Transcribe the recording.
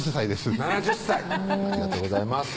７０歳ありがとうございます